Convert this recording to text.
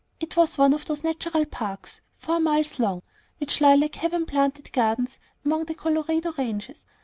It was one of those natural parks, four miles long, which lie like heaven planted gardens among the Colorado ranges.